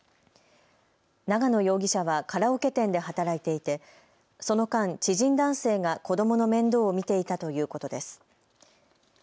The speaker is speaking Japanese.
長野容疑者はカラオケ店で働いていてその間、知人男性が子どもの面倒を見ていたということです。